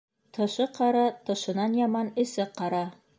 Тышы ҡара, тышынан яман эсе ҡара.